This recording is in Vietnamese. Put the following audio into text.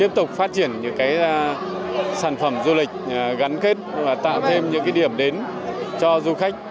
tiếp tục phát triển những sản phẩm du lịch gắn kết và tạo thêm những điểm đến cho du khách